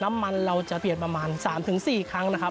มันจะเปลี่ยนประมาณ๓๔ครั้งนะครับ